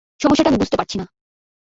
সমস্যাটা আমি বুঝতে পারছি না।